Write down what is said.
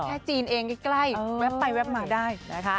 เชื่อว่าจริงเองใกล้แวบไปแวบมาได้